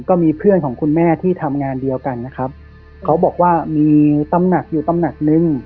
ก็มีเพื่อนของคุณแม่ที่ทำงานเดียวกันนะครับเขาบอกว่ามีตำหนักอยู่ตำหนักนึง